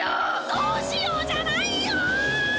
「どうしよう」じゃないよ！